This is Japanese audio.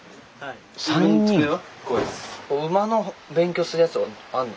馬の勉強するやつとかあんの？